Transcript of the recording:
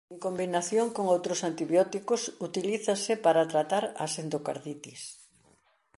En combinación con outros antibióticos utilízase para tratar as endocardites.